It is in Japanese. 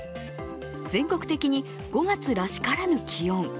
全国的に５月らしからぬ気温。